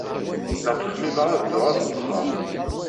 La ttxemmimeɣ ad dduɣ ad ḍḍseɣ.